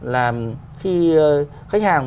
là khi khách hàng